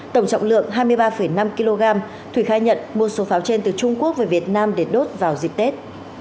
tổng trọng lượng hai mươi ba năm kg thủy khai nhận một số pháo trên từ trung quốc về việt nam để đốt vào dịp tết